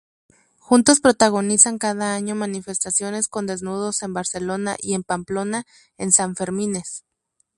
Juntos protagonizan cada año manifestaciones con desnudos en Barcelona y en Pamplona, en Sanfermines.